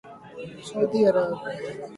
سعودی عرب